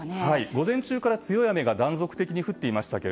午前中から強い雨が断続的に降っていましたが